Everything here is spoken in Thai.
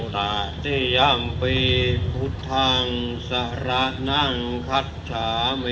ถุติยัมปีพุทธภังสาระนังขัชชามี